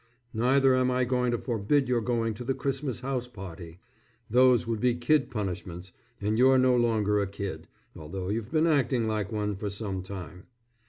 Neither am I going to forbid your going to the Christmas house party: those would be kid punishments and you're no longer a kid, although you've been acting like one for some time.